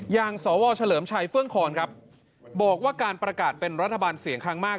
อย่างสวเฉลิมชัยเฟื่องคอนครับบอกว่าการประกาศเป็นรัฐบาลเสียงข้างมาก